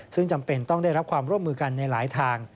ซึ่งจำเป็นต้องได้รับความร่วมมือกันในหลายทาง